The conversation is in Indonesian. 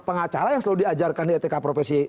pengacara yang selalu diajarkan di etk profesi